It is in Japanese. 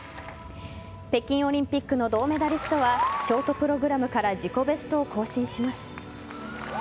北京オリンピックの銅メダリストはショートプログラムから自己ベストを更新します。